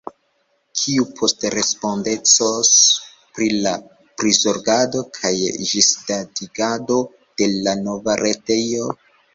Kiu poste respondecos pri la prizorgado kaj ĝisdatigado de la nova retejo?